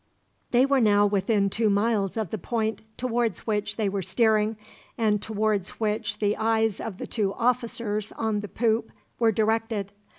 They were now within two miles of the point towards which they were steering, and towards which the eyes of the two officers on the poop were directed.